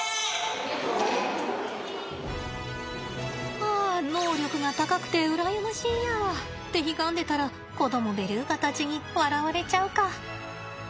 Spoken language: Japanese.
ああ能力が高くて羨ましいや。ってひがんでたら子どもベルーガたちに笑われちゃうか。